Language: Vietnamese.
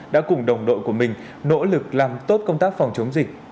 đã cùng đồng đội của mình nỗ lực làm tốt công tác phòng chống dịch